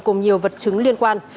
cùng nhiều vật chứng liên quan